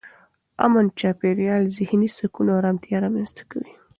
امن چاپېریال ذهني سکون او ارامتیا رامنځته کوي.